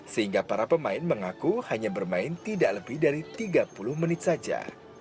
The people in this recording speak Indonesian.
sehingga para pemain mengaku hanya bermain tidak lebih dari tiga puluh menit saja